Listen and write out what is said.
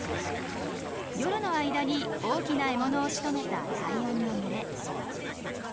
夜の間に大きな獲物をしとめたライオンの群れ。